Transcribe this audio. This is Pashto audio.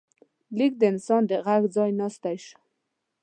لیک د انسان د غږ ځای ناستی شو.